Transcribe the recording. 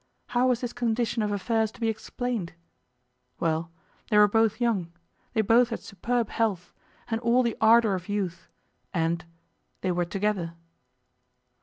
How was this condition of affairs to be explained? Well, they were both young; they both had superb health, and all the ardour of youth; and they were together.